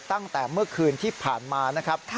ตั้งแต่เมื่อคืนที่ผ่านมานะครับ